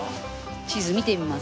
地図見てみますか？